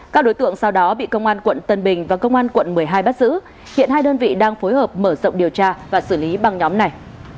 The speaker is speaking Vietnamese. các đối tượng sau đó bị công an quận tân bình và công an quận một mươi hai bắt giữ hiện hai đơn vị đang phối hợp mở rộng điều tra và xử lý băng nhóm này